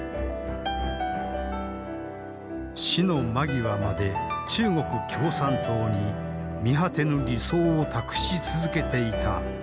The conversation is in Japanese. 死の間際まで中国共産党に見果てぬ理想を託し続けていた李鋭。